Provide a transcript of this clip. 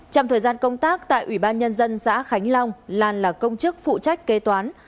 trong thời gian công tác tại ủy ban nhân dân xã khánh long lan là công chức phụ trách kế toán